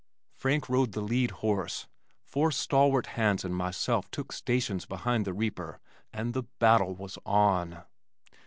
Frank rode the lead horse, four stalwart hands and myself took "stations" behind the reaper and the battle was on!